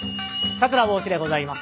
桂坊枝でございます。